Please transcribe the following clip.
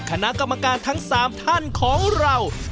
คณะกรรมการทั้ง๓ท่านของเรา